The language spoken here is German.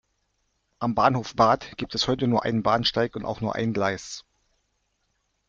Am Bahnhof Bad gibt es heute nur einen Bahnsteig und auch nur ein Gleis.